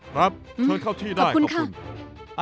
ครับเชิญเข้าที่ได้ขอบคุณขอบคุณค่ะ